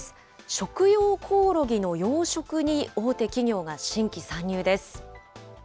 食用コオロギの養殖に大手企業が新規参入です。